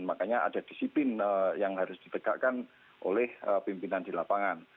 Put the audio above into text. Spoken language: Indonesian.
jadi tidak ada disipin yang harus didekatkan oleh pimpinan di lapangan